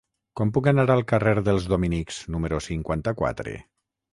Com puc anar al carrer dels Dominics número cinquanta-quatre?